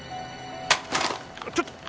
ちょっと！